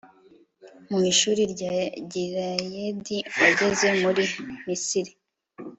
mu ishuri rya gileyadi wageze muri misiri